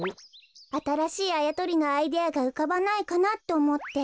あたらしいあやとりのアイデアがうかばないかなっておもって。